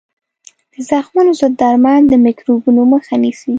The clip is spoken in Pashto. د زخمونو ضد درمل د میکروبونو مخه نیسي.